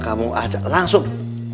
kamu ajak langsung